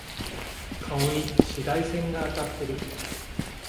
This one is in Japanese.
顔に紫外線が当たってる。